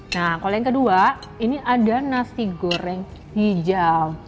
nah kalau yang kedua ini ada nasi goreng hijau